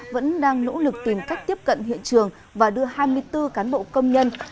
vẫn đang nỗ lực tìm cách tiếp cận hiện trường và đưa hai mươi bốn cán bộ công nhân